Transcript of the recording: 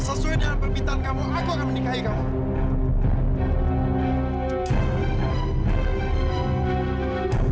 sesuai dengan permintaan kamu aku akan menikahi kamu